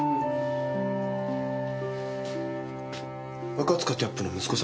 赤塚キャップの息子さんに？